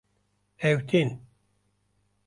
Ew tên